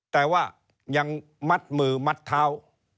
แต่ว่ายังมัดมือมัดเท้า